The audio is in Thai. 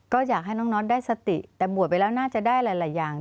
ก็อยากให้น้องน็อตได้สติแต่บวชไปแล้วน่าจะได้หลายอย่าง